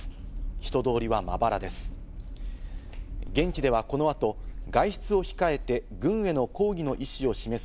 人通りは、まばらです。